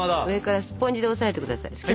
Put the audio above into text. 上からスポンジで押さえて下さい。